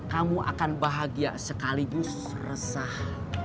kamu akan bahagia sekaligus resah